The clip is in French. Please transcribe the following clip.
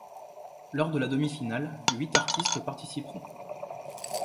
Lors de la demi-finale, huit artistes participeront.